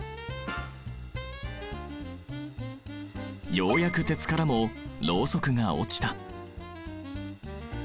ようやく鉄からもロウソクが落ちた。